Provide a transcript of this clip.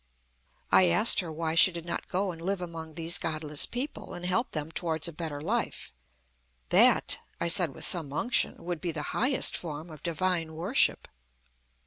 I asked her why she did not go and live among these godless people, and help them towards a better life. "That," I said with some unction, "would be the highest form of divine worship."